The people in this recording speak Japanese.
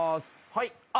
はい。